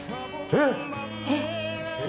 えっ！